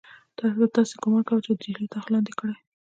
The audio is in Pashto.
تا به داسې ګومان کاوه چې د ډهلي تخت یې لاندې کړی.